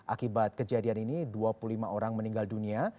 akibat kejadian ini dua puluh lima orang meninggal dunia